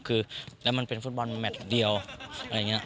คือแล้วมันเป็นฟุตบอลแมทเดียวอะไรอย่างนี้